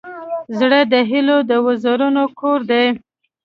زړه د هيلو د وزرونو کور دی.